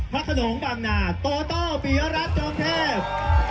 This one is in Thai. พระขนงบางนาโตโต้ปียรัฐจงเทพ